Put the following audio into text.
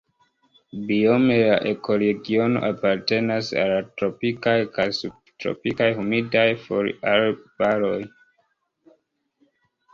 Biome la ekoregiono apartenas al la tropikaj kaj subtropikaj humidaj foliarbaroj.